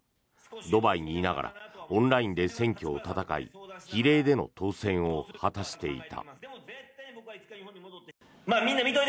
ドバイにいながらオンラインで選挙を戦い比例での当選を果たしていた。